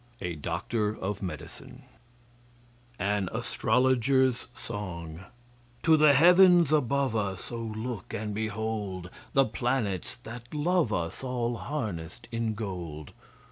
A DOCTOR OF MEDICINE An Astrologer's Song To the Heavens above us Oh, look and behold The planets that love us All harnessed in gold!